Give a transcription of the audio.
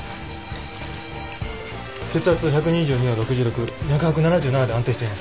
血圧１２２の６６脈拍７７で安定しています。